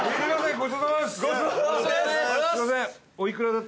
ごちそうさまです！